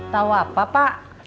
tau apa pak